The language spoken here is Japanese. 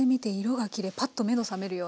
パッと目の覚めるような。